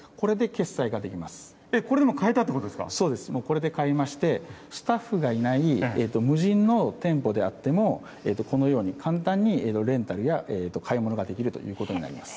これでもう買えたってことでそうです、もうこれで買いまして、スタッフがいない無人の店舗であっても、このように簡単に、レンタルや買い物ができるということになります。